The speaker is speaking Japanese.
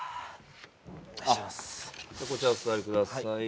こちらお座りください。